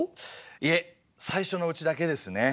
いえ最初のうちだけですね。